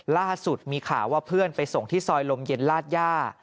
ล่าสุดมีข่าวว่าเพื่อนไปส่งที่ซอยลมเย็นลาดย่า